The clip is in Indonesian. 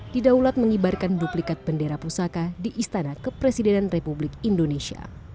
di daulat mengibarkan duplikat bendera pusaka di istana kepresiden republik indonesia